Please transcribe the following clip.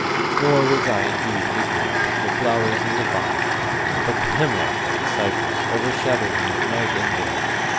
Nor was I indeed ignorant of the flowers and the vine—but the hemlock and the cypress overshadowed me night and day.